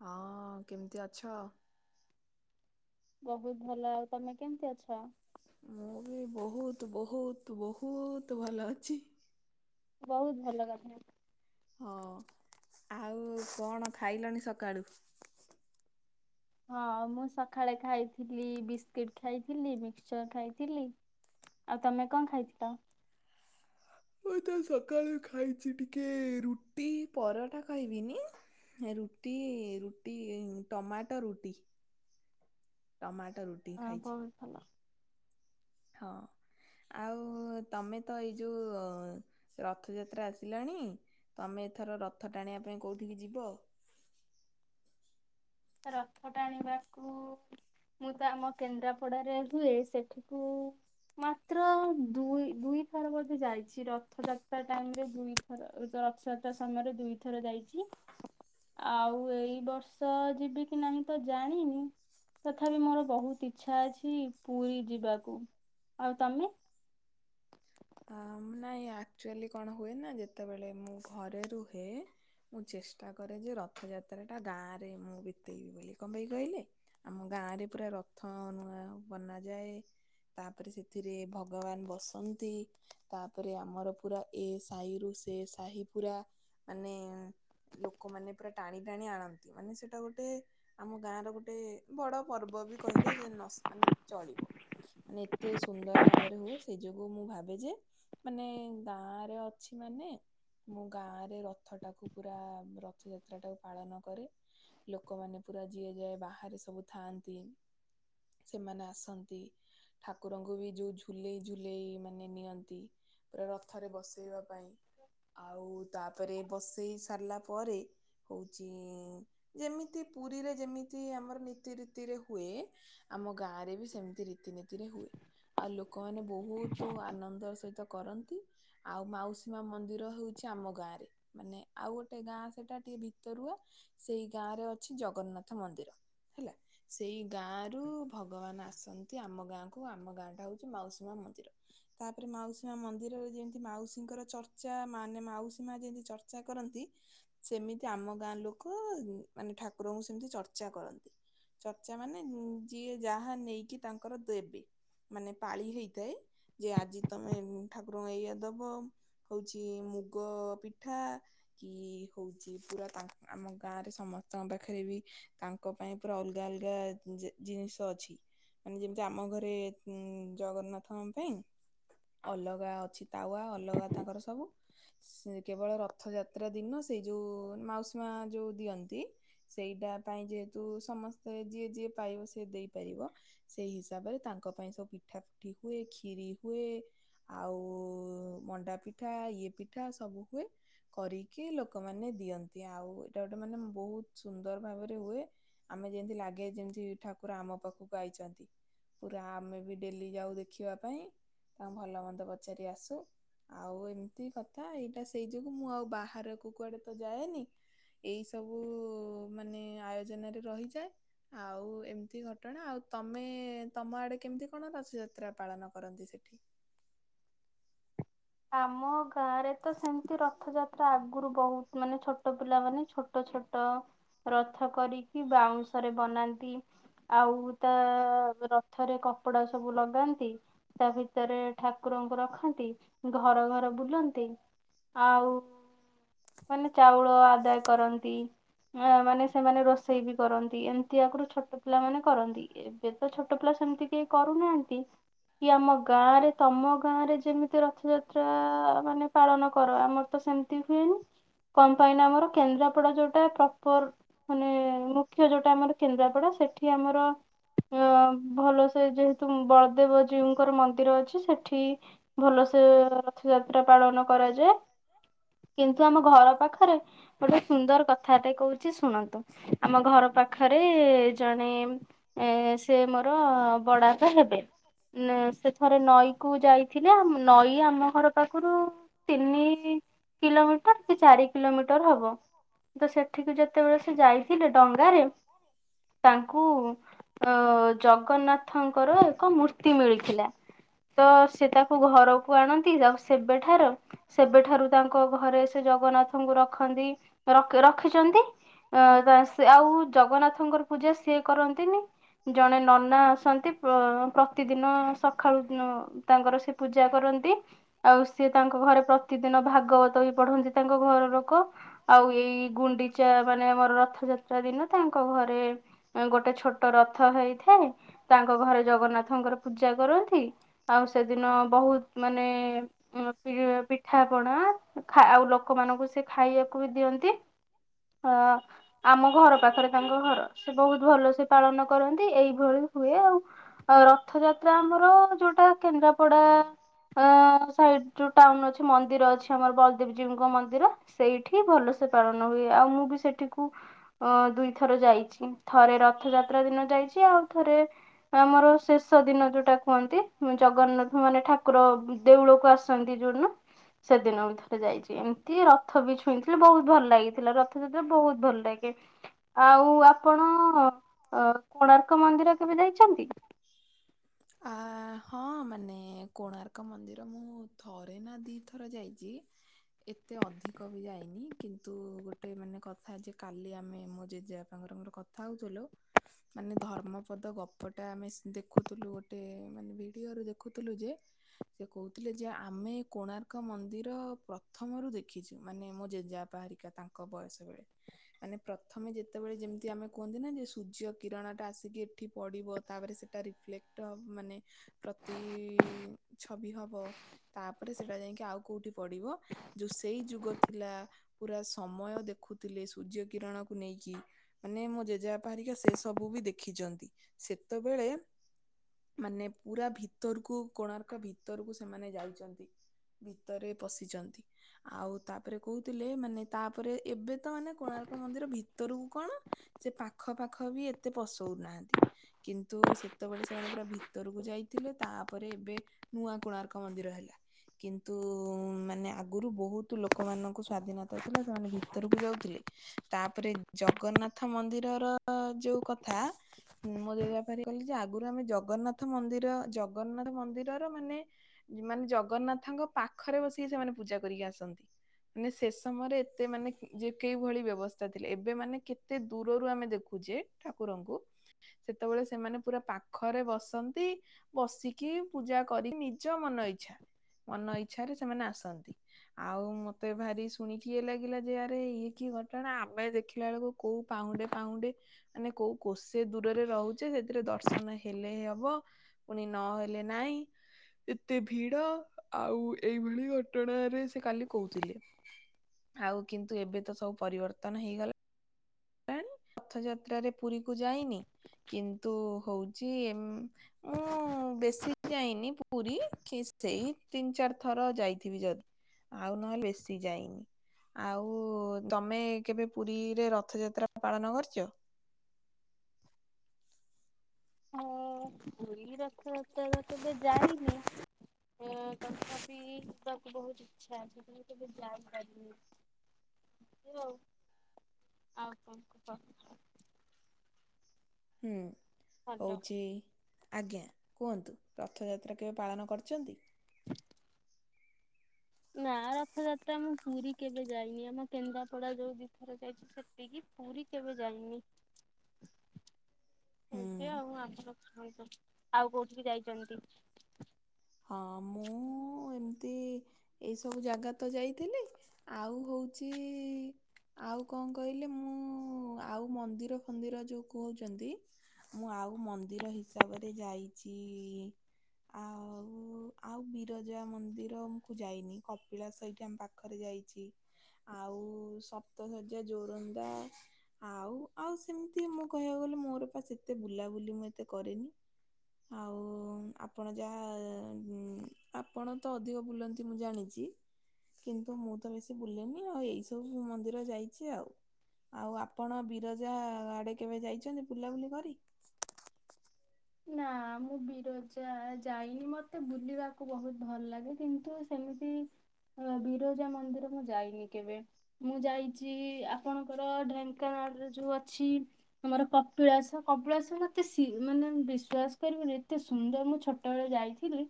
ହଁ କେମିତି ଅଛ। ବହୁତ ଭଲ ଆଉ ତମେ କେମତି ଅଛ? ମୁଁ ବି ବହୁତ ବହୁତ ବହୁତ ଭଲ ଅଛି। ବହୁତ ଭଲ କଥା। ହଁ ଆଉ କଣ ଖାଇଲଣି ସକାଳୁ। ହଁ ମୁଁ ସକାଳେ ଖାଇଥିଲି ବିସ୍କୁିଟ, ଖାଇଥିଲି ମିକ୍ସଚର ଖାଇଥିଲି। ଆଉ ତମେ କଣ ଖାଇଥିଲ? ମୁଁ ତ ସକାଳୁ ଖାଇଛି ଟିକେ ରୁଟି ପରଟା ଖାଇବିନି ରୁଟି ରୁଟି ଟମାଟୋ ରୁଟି ଟମାଟୋ ରୁଟି ଖାଇଛି। ଭଲ- ହଁ ଆଉ ତମେ ତ ଏଇ ଯେଉଁ ରଥଯାତ୍ରା ଆସିଲାଣି ତମେ ଏଥର ରଥ ଟାଣିବା ପାଇଁ କୋଉଠିକି ଯିବ? ରଥ ଟାଣିବାକୁ ମୁଁ ତ ଆମ କେନ୍ଦ୍ରାପଡାରେ ହୁଏ ସେଠିକୁ ମାତ୍ର ଦୁଇ ଦୁଇଥର ବୋଧେ ଯାଇଛି ରଥଯାତ୍ରା ଟାଇମରେ ଦୁଇ ରଥଯାତ୍ରା ସମୟରେ ଦୁଇଥର ଯାଇଛି। [inaudible] ଆଉ ଏଇ ବର୍ଷ ଯିବି କି ନାହିଁ ତ ଜାଣିନି।। ତଥାପି ମୋର ବହୁତ ଇଚ୍ଛା ଅଛି ପୁରୀ ଯିବାକୁ। ଆଉ ତମେ? ଅ ନାଇଁ ଆକ୍ଚୁଆଲି କଣ ହୁଏ ନା ଯେତେବେଳେ ମୁଁ ଘରେ ରୁହେ। ମୁଁ ଚେଷ୍ଟା କରେ ଯେ ରଥଯାତ୍ରାଟା ଗାଁରେ ମୁଁ ବିତେଇବି ବୋଲି। କଣ ପାଇଁ କହିଲେ? ଆମ ଗାଁ ରେ ପୁରା ରଥ ନୂଆ ବନାଯାଏ ତାପରେ ସେଥିରେ ଭଗବାନ ବସନ୍ତି ତାପରେ ଆମର ପୁରା ଏ ସାହିରୁୁ ସେ ସାହି ପୁରା ମାନେ ଲୋକମାନେ ପୁରା ଟାଣି ଟାଣି ଆଣନ୍ତି। ମାନେ ସେଟା ଗୋଟେ ଆମ ଗାଁ ର ଗୋଟେ ବଡ ପର୍ବ ବି କହିଲେ ନସ ମାନେ ଚଳିବ। ମାନେ ଏତେ ସୁନ୍ଦର ଭାବରେ ହୁଏ ସେଇ ଯୋଗୁ ମୁଁ ଭାବେ ଯେ ମାନେ ଗାଁ ରେ ଅଛି ମାନେ ମୁଁ ଗାଁ ରେ ରଥଟାକୁ ପୁରା ରଥଯାତ୍ରା ଟାକୁ ପାଳନ କରେ। ଲୋକମାନେ ପୁରା ଯିଏ ଯାଏ ବାହାରେ ସବୁ ଥାଆନ୍ତି ସେମାନେ ଆସନ୍ତି ଠାକୁରଙ୍କୁ ବି ଯୋଉ ଝୁଲେଇ ଝୁଲେଇ ମାନେ ନିଅନ୍ ତି। ପୁରା ରଥରେ ବସେଇବା ପାଇଁ ଆଉ ତାପରେ ବସେଇ ସାରିଲା ପରେ ହଉଛି ଯେମିତି ପୁରୀରେ ଯେମିତି ଆମର ନୀତି ରୀତିରେ ହୁଏ ଆମ ଗାଁ ରେ ବି ସେମିତି ରୀତିନୀତିରେ ହୁଏ। ଆଉ ଲୋକମାନେ ବହୁତ ଆନନ୍ଦର ସ ସହିତ କରନ୍ତି। ଆଉ ମାଉସୀ ମା ମନ୍ଦିର ହଉଛି ଆମ ଗାଁରେ। ମାନେ ଆଉ ଗୋଟେ ଗାଁ ସେଇଟା ଟିକେ ଭିତରୁଆ। ସେଇ ଗାଁ ରେ ଅଛି ଜଗନ୍ନାଥ ମନ୍ଦିର। ହେଲା ସେଇ ଗାଁ ରୁ ଭଗବାନ ଆସନ୍ତି। ଆମ ଗାଁ କୁ ଆମ ଗାଁ ଟା ହଉଛି ମାଉସୀ ମା ମନ୍ଦିର। ତାପରେ ମାଉସୀ ମା ମନ୍ଦିରରେ ଯେମିତି ମାଉସୀଙ୍କର ଚର୍ଚା ମାନେ ମାଉସୀ ମା ଯେମିତି ଚର୍ଚ୍ଚା କରନ୍ତି ସେମିତି ଆମ ଗାଁ ଲୋକ ମାନେ ଠାକୁରଙ୍କୁ ସେମିତି ଚର୍ଚ୍ଚା କରନ୍ତି। ଚର୍ଚ୍ଚା ମାନେ ଯିଏ ଯାହା ନେଇକି ତାଙ୍କର ଦେବେ। ମାନେ ପାଳି ହେଇଥାଏ। ଯେ ଆଜି ତମେ ଠାକୁରଙ୍କ ଏଇଆ ଦବ ହଉଛି ମୁଗ ପିଠା କି ହଉଛି ପୁରା ତା ଆମ ଗାଁରେ ସମସ୍ତଙ୍କ ପାଖରେ ବି ତାଙ୍କ ପାଇଁ ପୁରା ଅଲଗା ଅଲଗା ଜିନିଷ ଅଛି। ମାନେ ଯେମିତି ଆମ ଘରେ ଉ ଜଗନ୍ନାଥ ଆମ ପାଇଁ ଅଲଗା ଅଛି ତାୱା ଅଲଗା ତାଙ୍କର ସବୁ ସେ କେବଳ ରଥଯାତ୍ରା ଦିନ ସେଇ ଯେଉଁ ମାଉସୀ ମା ଯେଉଁ ଦିଅନ୍ତି ସେଇଟା ପାଇଁ ଯେହେତୁ ସମସ୍ତେ ଯିଏ ଯିଏ ପାଇବ ସିଏ ଦେଇପାରିବ ସେଇ ହିସାବରେ ତାଙ୍କ ପାଇଁ ସବୁ ପିଠା ପୁଠି ହୁଏ କ୍ଷୀରି ହୁଏ ଆଉ ମଣ୍ଡା ପିଠା ଇଏ ପିଠା ସବୁ ହୁଏ। କରିକି ଲୋକମାନେ ଦିଅନ୍ତି। ଆଉ ଏଇଟା ଗୋଟେ ମାନେ ବହୁତ ସୁନ୍ଦର ଭାବରେ ହୁଏ। ଆମେ ଯେମତି ଲାଗେ ଯେମତି ଠାକୁର ଆମ ପାଖକୁ ଆଇଛନ୍ତି। ପୁରା ଆମେ ବି ଡେଲି ଯାଉ ଦେଖିବା ପାଇଁ। ଭଲ ମନ୍ଦ ପଚାରି ଆସୁ। ଆଉ ଏମିତି କଥା ଏଇଟା ସେଇ ଯୋଗୁଁ ମୁଁ ଆଉ ବାହାରକୁ କୁଆଡେ ତ ଯାଏନି‌ ଏଇ ସବୁ ମାନେ ଆୟୋଜନରେ ରହିଯାଏ ଆଉ ଏମିତି ଘଟଣା ଆଉ ତମେ ତମ ଆଡ଼େ କେମିତି କଣ ରଥଯାତ୍ରା ପାଳନ କରନ୍ତି ସେଠି? ଆମ ଗାଁ ରେ ତ ସେମିତି ରଥଯାତ୍ରା ଆଗରୁ ବହୁତ ମାନେ ଛୋଟ ପିଲା ମାନେ ଛୋ ଛୋଟ ଛୋଟ ରଥ କରିକି ବାଉଁଶରେ ବନାନ୍ତି। ଆଉ ତା ରଥରେ କପଡା ସବୁ ଲଗାନ୍ତି। ତା ଭିତରେ ଠାକୁରଙ୍କୁ ରଖନ୍ତି। ଘର ଘର ବୁଲନ୍ତି। ଆଉ ମାନେ ଚାଉଳ ଆଦାୟ କରନ୍ତି ଅ ମାନେ ସେମାନେ ରୋଷେଇ ବି କରନ୍ତି ଏମିତି ଆଗରୁ ଛୋଟ ପିଲା ମାନେ କରନ୍ତି। ଏବେ ତ ଛୋଟ ପିଲା ସେମିତି କେହି କରୁନାହାନ୍ତି କି ଆମ ଗାଁ ରେ ତମ ଗାଁ ରେ ଯେମିତି ର ରଥଯାତ୍ରା ମାନେ ପାଳନ କର ଆମର ତ ସେମିତି ହୁଏନି। କଣ ପାଇଁ ନା ଆମର କେନ୍ଦ୍ରାପଡା ଯୋଉଟା ପ୍ରପର ମାନେ ମୁଖ୍ୟ ଯୋଉଟା ଆମର କେନ୍ଦ୍ରାପଡା ସେଠି ଆମର ଅ ଭଲସେ ଯେହେତୁ ବଳଦେବ ଜୀଉଙ୍କର ମନ୍ଦିର ଅଛି ସେଠି ଭଲସେ ରଥଯାତ୍ରା ପାଳନ କରାଯାଏ। କିନ୍ତୁ ଆମ ଘର ପାଖରେ ଗୋଟେ ସୁନ୍ଦର କଥାଟେ କହୁଛି ଶୁଣନ୍ତୁ। ଆମ ଘର ପାଖରେ ଜଣେଏଁ ଏଁ ସେ ମୋର ବଡଆପା ହେବେ ସେ ଥରେ ନଈକୁ ଯାଇଥିଲେ ନଈ ଆମ ଘର ପାଖରୁ ତିନି କିଲୋମିଟର କି ଚାରି କିଲୋମିଟର ହବ, ତ ସେଠିକି ଯେତେବେଳେ ସେ ଯାଇଥିଲେ ଡଙ୍ଗାରେ। ତାଙ୍କୁ ଅ ଜଗନ୍ନା ତାଙ୍କର ଏକ ମୂର୍ତ୍ତି ମିଳିଥିଲା ତ ସେ ତାକୁ ଘରକୁ ଆଣନ୍ତି ତ ସେବେଠାର ସେବେଠାରୁ ତାଙ୍କ ଘରେ ସେ ଜଗନ୍ନାଥଙ୍କୁ ରଖନ୍ତି ରଖିଛନ୍ତି। ଅ ସେ ଆଉ ଜଗନ୍ନାଥଙ୍କର ପୂଜା ସିଏ କରନ୍ତିନି। ଜଣେ ନନା ଆସନ୍ତି ପ୍ରତିଦିନ ସକାଳୁ ତାଙ୍କର ସେ ପୂଜା କରନ୍ତି। ଆଉ ସିଏ ତାଙ୍କ ଘରେ ପ୍ରତିଦିନ ଭାଗବତ ବି ପଢନ୍ତି ତାଙ୍କ ଘର ଲୋକ। ଆଉ ଏଇ ଗୁଣ୍ଡିଚା ମାନେ ଆମର ରଥଯାତ୍ରା ଦିନ ତାଙ୍କ ଘରେ ଗୋଟେ ଛୋ ଛୋଟ ରଥ ହେଇଥାଏ ତାଙ୍କ ଘରେ ଜଗନ୍ନାଥଙ୍କର ପୂଜା କରନ୍ତି ଆଉ ସେଦିନ। ବହୁତ ମାନେ ପିଠାପଣା ଆଉ ଲୋକମାନାନଙ୍କୁ ସେ ଖାଇବାକୁ ବି ଦିଅନ୍ତି। ହଁ। ଆମ ଘର ପାଖରେ ତାଙ୍କ ଘର ସେ ବହୁତ ଭଲ ସେ ପାଳନ କରନ୍ତି ଏଇଭଳି ହୁଏ ଆଉ। ଆଉ ରଥ ଯାତ୍ରା ଆମର ଯୋଉଟା କେନ୍ଦ୍ରାପଡା ସେଇଠି ଯୋଉ ଟାଉନ ଅଛି ମନ୍ଦିର ଅଛି ଆମର ବଲଦେବଜୀଙ୍କ ମନ୍ଦିର। ସେଇଠି ଭଲସେ ପାଳନ ହୁଏ ଆଉ ମୁଁ ବି ସେଠିକୁ। ଅ ଦୁଇ ଥର ଯାଇଛି ଥରେ ରଥଯାତ୍ରା ଦିନ ଯାଇଛି ଆଉ ଥରେ ଆମର ଶେଷ ଦିନ ଯୋଉଟା କୁହନ୍ତି ଜଗନ୍ନାଥ ମାନେ ଠା ପ୍ର ଦେଉଳକୁ ଆସନ୍ତି ଯୋଉଦିନ ସେଦିନ ବି ଥରେ ଯାଇଚି। ଏମିତି ରଥ ବି ଛୁଇଁଥିଲି ବହୁତ ଭଲ ଲାଗିଥିଲା ରଥଯାତ୍ରା ବହୁତ ଭଲ ଲାଗେ। ଆଉ ଆପଣ କୋଣାର୍କ ମନ୍ଦିର କେବେ ଯାଇଛନ୍ତି? ଆ ହଁ ମାନେ କୋଣାର୍କ ମନ୍ଦିର ମୁଁ ଥରେ ନା ଦିଥର ଯାଇଚି। ଏତେ ଅଧିକ ବି ଯାଇନି କିନ୍ତୁ ଗୋଟେ ମାନେ କଥା ଯେ କାଲି ଆମେ ମୋ ଜେଜେ ବାପା ତାଙ୍କର ମୋର କଥା ହଉଥିଲୂ। ମାନେ ଧର୍ମପଦ ଗପଟା ଆମେ ଦେଖୁଥିଲୁ ଗୋଟେ ମାନେ ଭିଡିଓରୁ ଦେଖୁଥିଲୁ ଯେ। ସେ କହୁଥିଲେ ଯେ ଆମେ କୋଣାର୍କ ମନ୍ଦିର ପ୍ରଥମରୁ ଦେଖିଛୁ ମାନେ ମୋ ଜେଜେବାପା ହାରିକା। ତାଙ୍କ ବୟସ ବେଳେ ମାନେ ପ୍ରଥମେ ଯେ ସେତେବେଳେ ଯେମିତି ଆମେ କୁହନ୍ତି ନା ଯେ ସୂର୍ଯ୍ୟ କିରଣଟ ଆସିକି ଏଠି ପଡ଼ିବ ତାପରେ ସେଇଟା ରିଫ୍ଲେକ୍ଟ ମାନେ ପ୍ରତି ଛବି ହବ। ତାପରେ ସେଟା ଯାଇକି ଆଉ କୋଉଠି ପଡ଼ିବ। ଯୋଉ ସେଇ ଯୁଗ ଥିଲା ପୁରା ସମୟ ଦେଖୁଥିଲେ ସୂର୍ଯ୍ୟ କିରଣକୁ ନେଇକି। ମାନେ ମୋ ଜେଜେ ବାପା ହାରିକା ସେ ସବୁ ବି ଦେଖିଛନ୍ତି ସେତେବେଳେ ମାନେ ପୁରା ଭିତରକୁ କୋଣାର୍କ ଭିତରକୁ ସେମାନେ ଯାଇଛନ୍ତି। ଭିତରେ ପଶିଛନ୍ତି। ଆଉ ତାପରେ କହୁଥିଲେ ମାନେ ତାପରେ ଏବେ ତ ମାନେ କୋଣାର୍କ ମନ୍ଦିର ଭିତରୁ କଣ ସେ ପାଖ ପାଖ ବି ଏତେ ପଶଉ ନାହାନ୍ତି। କିନ୍ତୁ ସେତେବେଳେ ସେମାନେ ପୁରା ଭିତରକୁ ଯାଇଥିଲେ ତାପରେ ଏବେ। ନୂଆ କୋଣାର୍କ ମନ୍ଦିର ହେଲା। କିନ୍ତୁ ମାନେ ଆଗରୁ ବହୁତ ଲୋକମାନଙ୍କୁ ସ୍ଵାଧୀନତା ଥିଲା ସେମାନେ ଭିତରକୁ ଯାଉଥିଲେ। ତାପରେ ଜଗନ୍ନାଥ ମନ୍ଦିରର ଯୋଉ କଥା ମୁଁ ଜେବାପାର କଲି ଯେ ଆଗରୁ ଆମେ ଜଗନ୍ନାଥ ମନ୍ଦିର ଜଗନ୍ନାଥ ମନ୍ଦିରର ମାନେ ମାନେ ଜଗନ୍ନାଥଙ୍କ ପାଖରେ ବସିକି ସେମାନେ ପୂଜା କରିକି ଆସନ୍ତି। ମାନେ ସେ ସମୟରେ ଏତେ ମାନେ ଯେ କେଭଳି ବ୍ୟବସ୍ଥା ଥିଲା। ଏବେ ମାନେ କେତେ ଦୂରରୁ ଆମେ ଦେଖୁଛେ ଠାକୁରଙ୍କୁ। ସେତେବେଳେ ସେମାନେ ପୁରା ପାଖରେ ବସନ୍ତି। ବସିକି ପୂଜା କରିି ନିଜ ମନ ଇଛା ମନ ଇଛା ରେ ସେମାନେ ଆସନ୍ତି। ଆଉ ମତେ ଭାରି ଶୁଣିକି ଇ ଲାଗିଲା ଯେ ଆରେ ଇଏ କି ଘଟଣା ଆମେ ଦେଖ ଦେଖିଲାବେଳକୁ କୋଉ ପାଉଣ୍ଡେ ପାଉଁଣ୍ଡେ ମାନେ କୋଉ କୋଷ ଦୂରରେ ରହୁଛି। ଯେ ସେଥିରେ ଦର୍ଶନ ହେଲେ ହେ ହବ। ପୁଣି ନହେଲେ ନାଇଁ ଏତେ ଭିଡ ଆଉ ଏଇଭଳିଆ। ଟଣ ସେ କାଲି କହୁଥିଲେ ଆଉ କିନ୍ତୁ ଏବେ ତ ସବୁ ପରିବର୍ତ୍ତନ ହେଇଗଲା। ରଥଯାତ୍ରାରେ ପୁରୀ କୁ ଯାଇନି କିନ୍ତୁ ହଉଛି ଏ ମୁଁ ବେଶୀ ଯାଇନି ପୁରୀ କି ସେଇ ତିନି ଚାରି ଥର ଯାଇଥିବି ଯଦି। ଆଉ ନହେଲେ ବେଶି ଯାଇନି ଆଉ ତମେ କେବେ ପୁରୀରେ ର ରଥଯାତ୍ରା ପାଳନ କରିଛ? ହଁ ପୁରୀ ରଥଯାତ୍ରା କେବେ ଯାଇନି। ହୁଁ ତଥାବି ବହୁତ ଇଚ୍ଛା ଅଛି ହେଲେକେବେ ଯାଇପାରିନି। ତୁଆଉ ଆଉ କଣ କହ। ହୁଁ ହଉଛି ଆଜ୍ଞା କୁହନ୍ତୁ ରଥଯାତ୍ରା କେବେ ପାଳନ କରିଛନ୍ତି? ନା ରଥଯାତ୍ରା ମୁଁ ପୁରୀ କେବେ ଯାଇନି ଆମ କେନ୍ଦ୍ରାପଡା ଯୋଉ ଦୁଇଥର ତିନିଥର ଯାଇଛି। ସେତି କିି ପୁରୀ କେବେ ଯାଇିନି। [inaudible] ଏବେ ଆଉ ଆମଣ କୁହନ୍ତୁ ଆଉ କୋଉଠିିକି ଯାଇଛନ୍ତି। ହଁ ମୁଁ ଏମତି ଏଇ ସବୁ ଜାଗା ତ ଯାଇଥିଲି ଆଉ ହଉଚି ଆଉ କଣ କହିଲେ ମୁଁ ଆଉ ମନ୍ଦିର ଫନ୍ଦିର ଯୋଉ କହୁଛନ୍ତି। ମୁଁ ଆଉ ମନ୍ଦିର ହିସାବରେ ଯାଇଛି ଆଉ। ଆଉ ବିରଜା ମନ୍ଦିରମକୁ ଯାଇନି କପିଳା ସହିଠ ଆମ ପାଖରେ ଯାଇଛି। ଆଉ ସପ୍ତସଜ୍ୟ ଜୋରନ୍ଦା ଆଉ ଆଉ ସେମିତି ମୁଁ କହିବାକୁ ଗଲେ ମୋର ପା ଏତେ ବୁଲାବୁଲି ମୁଁ ଏତେ କରେନି। ଆଉ ଆପଣ ଯାହା ଆପଣ ତ ଅଧିକ ବୁଲନ୍ତି ମୁଁ ଜାଣିଛି। କିନ୍ତୁ ମୁଁ ତ ବେଶୀ ବୁଲେନି ଆଉ ଏଇ ସବୁ ମନ୍ଦିର ଯାଇଛି ଆଉ। ଆଉ ଆପଣ ବିରଜା ଆଡ଼େ କେବେ ଯାଇଛନ୍ତି ବୁଲାବୁଲି କରି? ମୁଁ ବିରଜା ଯାଇନି ମତେ ବୁଲିବାକୁ ବହୁତ ଭଲ ଲାଗେ କିନ୍ତୁ ସେମିତି। ବିରଜା ମନ୍ଦିର ମୁଁ ଯାଇନି କେବେ। ମୁଁ ଯାଇଛି ଆପଣଙ୍କର ଢେଙ୍କାନାଳରେ ଯୋଉ ଅଛି ଆମର କପିଳାସ କପିଳାସ ମତେ ସି ମାନେ ବିଶ୍ାସ କରିବୁନି ଏତେ ସୁନ୍ଦର ମୁଁ ଛୋଟବେଳେ ଯାଇଥିଲି।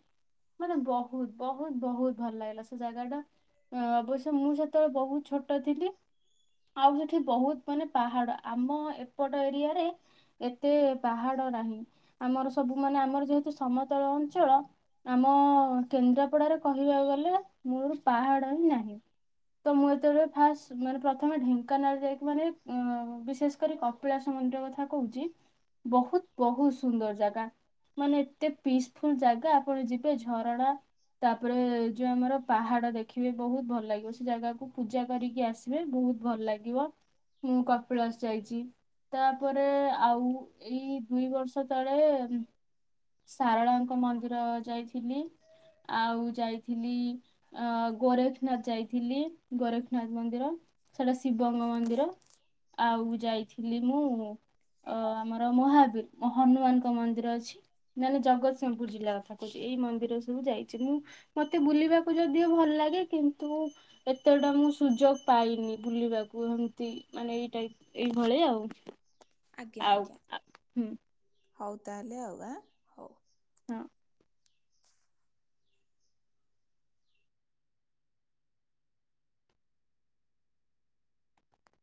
ମାନେ ବହୁତ ବହୁତ ବହୁତ ଭଲ ଲାଗିଲା ସେ ଜାଗା ଟା। ଅବଶ୍ୟ ମୁଁ ସେତେବେଳେ ବହୁତ ଛୋଟ ଥିଲି। ଆଉ ସେଠି ବହୁତ ମାନେ ପାହାଡ ଆମ ଏପଟ ଏରିଆରେ ଏତେ ପାହାଡ ନାହିଁ ଆମର ସବୁ ମାନେ ଆମର ଯେହେତୁ ସମତଳ ଅଞ୍ଚଳ। ଆମ କେନ୍ଦ୍ରାପଡାରେ କହିବାକୁ ଗଲେ ମୋର ପାହାଡ଼ ହିଁ ନାହିଁ। ତ ମୁଁ ଏତେବେଳେ ଫାଷ୍ଟ ମାନେ ପ୍ରଥମେ ଢେଙ୍କାନାଳ ଯାଇକି ମାନେ ବିଶେଷ କରି କପିଳାସ ମ [unintelligible] ନ୍ଦିର କଥା କହୁଛି ବହୁତ ବହୁତ ସୁନ୍ଦର ଜାଗା ମାନେ ଏତେ ପିସ୍ଫୁଲ ଜାଗା ଆପଣ ଯିବେ ଝରଣା। ତାପରେ ଯୋଉ ଆମର ପାହାଡ ଦେଖିବେ ବହୁତ ଭଲ ଲାଗିବ। ସେ ଜାଗାକୁ ପୂଜା କରିକି ଆସିବ। ବହୁତ ଭଲ ଲାଗିବ। ମୁଁ କପିଳାସ ଯାଇଛି। ତାପରେ ଆଉ ଏଇ ଦୁଇ ବର୍ଷ- ତଳେ ସାରଳାଙ୍କ ମନ୍ଦିର ଯାଇଥିଲି। ଆଉ ଯାଇଥିଲି- ଅ ଗୋରଖନାଥ ଯାଇଥିଲି ଗୋରଖନାଥ ମନ୍ଦିର। ସେଟା ଶିବଙ୍କ ମନ୍ଦିର। ଆଉ ଯାଇଥିଲି ମୁଁ ଅ ଆମର ମହାବୀର। ହନୁମାନଙ୍କ ମନ୍ଦିର ଅଛି। ନେଲେ ଜଗତସିଂହପୁର ଜିଲ୍ଲା କଥା କହୁଛି। ଏଇ ମନ୍ଦିର ସବୁ ଯାଇଛି ମୁଁ ମତେ ବୁଲିବାକୁ- ଯଦିଓ ଭଲ ଲାଗେ କିନ୍ତୁ- ଏତେଟା ମୁଁ ସୁଯୋଗ ପାଇନି ବୁଲିବାକୁ ଏମତି ମାନେ ଏଇଟାଇପ- ଏଇଭଳି ଆଉ। ଆଜ୍ଞା ଆଜ୍ଞା। ହଉ ତାହେଲେ ଆଉ ଆ। ହଁ